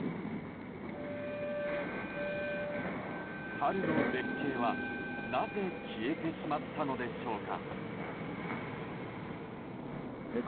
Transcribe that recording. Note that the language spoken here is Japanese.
春の絶景は、なぜ消えてしまったのでしょうか。